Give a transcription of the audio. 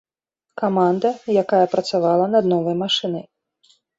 Каманда, якая працавала над новай машынай.